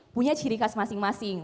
punya ciri khas masing masing